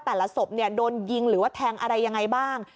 แต่ละศพโดนยิงหรือว่าแทงอะไรยังไงบ้าง